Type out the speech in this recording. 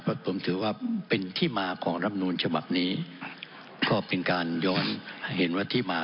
เพราะผมถือว่าเป็นที่มาของรำนูลฉบับนี้ก็เป็นการย้อนเห็นว่าที่มา